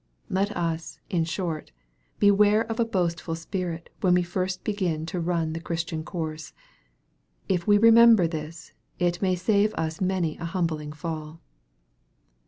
Let us, in short, beware of a boastful spirit, when we first begin to run the Christian course. If we remember this, it may save us many a humbling fall.